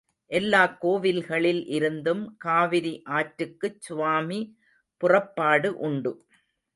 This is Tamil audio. எல்லாக் கோவில்களில் இருந்தும் காவிரி ஆற்றுக்குச் சுவாமி புறப்பாடு உண்டு.